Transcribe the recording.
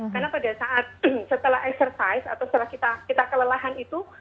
karena pada saat setelah exercise atau setelah kita kelelahan itu